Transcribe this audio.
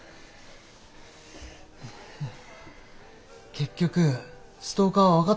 結局ストーカーは分かったのか？